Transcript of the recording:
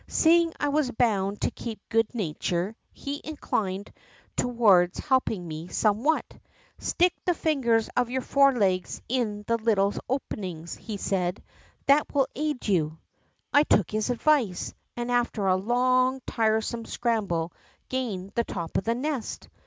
Seeing I was bound to keep good natured, he inclined toward helping me somewhat. ' Stick the Angers of your forelegs in the little openings,' he said, ^ that will aid you.' I took his advice, and after a long, tiresome scramble gained the top of the nest.